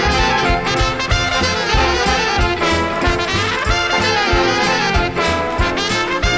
สวัสดีครับ